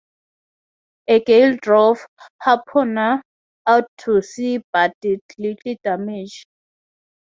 A gale drove "Harpooner" out to sea but did little damage.